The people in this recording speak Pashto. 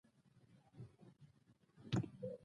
ما هم هڅه وکړه چې وخاندم.